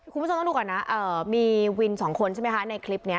คุณผู้ชมต้องดูก่อนนะมีวินสองคนใช่ไหมคะในคลิปนี้